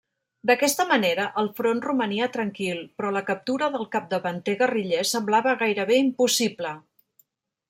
D'aquesta manera, el front romania tranquil, però la captura del capdavanter guerriller semblava gairebé impossible.